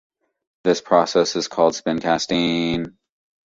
This process is called spin casting.